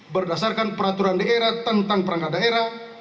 berdasarkan peraturan daerah tentang perangkat daerah